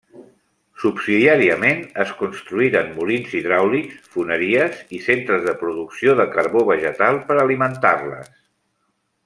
Subsidiàriament, es construïren molins hidràulics, foneries i centres de producció de carbó vegetal per alimentar-les.